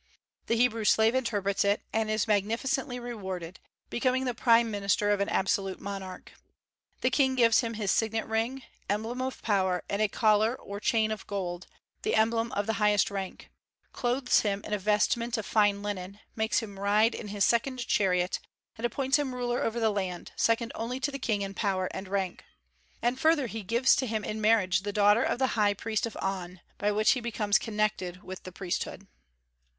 The Hebrew slave interprets it, and is magnificently rewarded, becoming the prime minister of an absolute monarch. The King gives him his signet ring, emblem of power, and a collar or chain of gold, the emblem of the highest rank; clothes him in a vestment of fine linen, makes him ride in his second chariot, and appoints him ruler over the land, second only to the King in power and rank. And, further, he gives to him in marriage the daughter of the High Priest of On, by which he becomes connected with the priesthood.